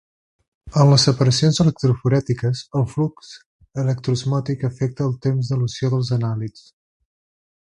En les separacions electroforètiques, el flux electroosmòtic afecta el temps d'elució dels anàlits.